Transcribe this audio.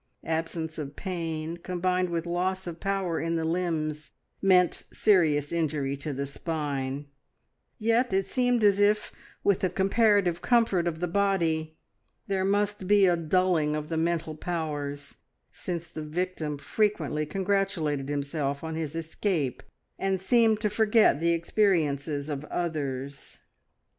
Absence of pain, combined with loss of power in the limbs, meant serious injury to the spine, yet it seemed as if, with the comparative comfort of the body, there must be a dulling of the mental powers, since the victim frequently congratulated himself on his escape, and seemed to forget the experiences of others!